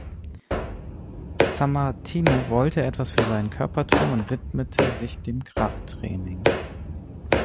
Sammartino wollte etwas für seinen Körper tun und widmete sich dem Krafttraining.